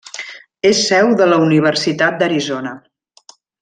És seu de la Universitat d'Arizona.